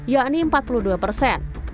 yakni empat puluh dua persen